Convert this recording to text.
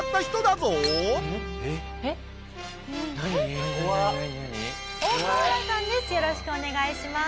よろしくお願いします。